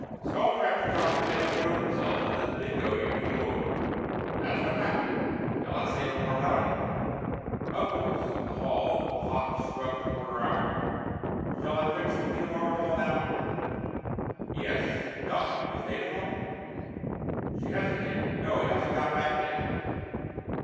Skull fractures often fail to show themselves and then bingo, you keel over. That's what happened. Now let's say no more about it." "Of course." In the hall, the clock struck the quarter hour. "Shall I fix the phenobarbital now?" "Yes no. Is David home?" She hesitated. "No, he hasn't got back yet."